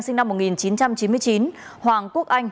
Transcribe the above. sinh năm một nghìn chín trăm chín mươi chín hoàng quốc anh